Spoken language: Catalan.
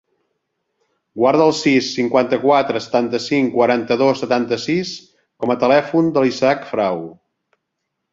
Guarda el sis, cinquanta-quatre, setanta-cinc, quaranta-dos, setanta-sis com a telèfon de l'Isaac Frau.